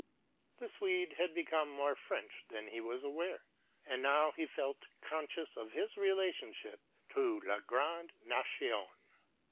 The Swede had become more French than he was aware, and now he felt conscious of his relationship to la grande nation.